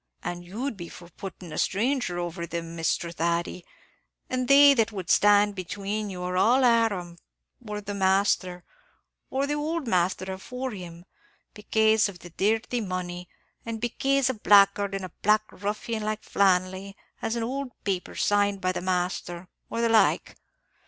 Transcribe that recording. "An' you'd be for puttin' a stranger over thim, Misthur Thady; an' they that would stand between you an' all harum, or the masthur, or the old masthur afore him; becaze of the dirthy money, and becaze a blagguard and a black ruffian like Flannelly has an ould paper signed by the masthur, or the like?